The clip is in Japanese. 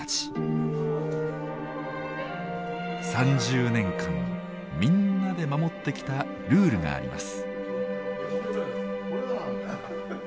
３０年間みんなで守ってきたルールがあります。